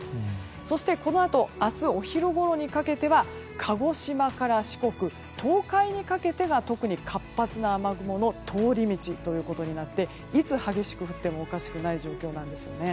そして、このあと明日お昼ごろにかけては鹿児島から四国東海にかけてが特に活発な雨雲の通り道となっていつ激しく降ってもおかしくない状況なんですよね。